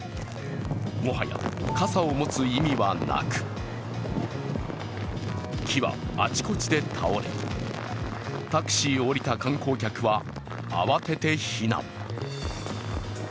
もはや傘を持つ意味はなく木はあちこちで倒れタクシーを降りた観光客は慌てて避難。